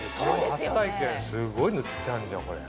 すっごい塗ってあんじゃんこれ。